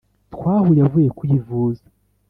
Twahuye avuye kwivuza